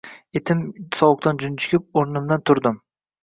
Etim sovuqdan junjikib, o`rnimdan turdim